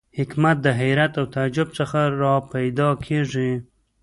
حکمت د حیرت او تعجب څخه را پیدا کېږي.